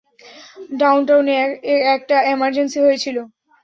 ডাউনটাউনে একটা এমারজেন্সি হয়েছিল।